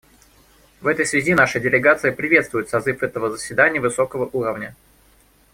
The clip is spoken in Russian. В этой связи наша делегация приветствует созыв этого заседания высокого уровня.